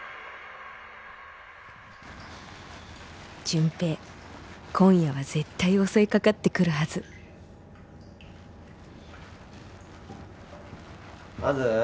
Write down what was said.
純平今夜は絶対襲いかかってくるはず杏寿。